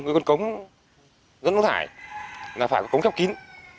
một con cống dẫn đốt thải phải có cống khắp kín